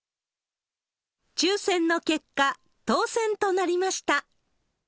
抽せんの結果、当せんとなりました。